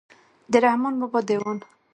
د رحمان بابا دېوان.